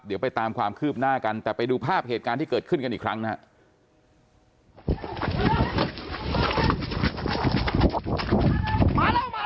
เดี๋ยวไปตามความคืบหน้ากันแต่ไปดูภาพเหตุการณ์ที่เกิดขึ้นกันอีกครั้งนะครับ